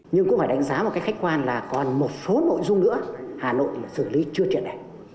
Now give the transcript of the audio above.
nhưng cũng phải đánh giá một cái khách quan là còn một số nội dung nữa hà nội xử lý chưa triệt đề